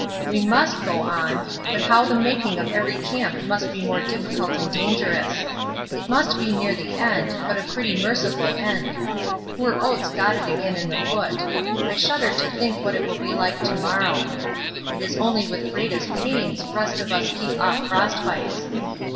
We must go on, but now the making of every camp must be more difficult and dangerous. It must be near the end, but a pretty merciful end. Poor Oates got it again in the foot. I shudder to think what it will be like to morrow. It is only with greatest pains rest of us keep off frostbites.